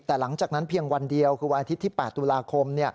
แต่หลังจากนั้นเพียงวันเดียวคือวันอาทิตย์ที่๘ตุลาคม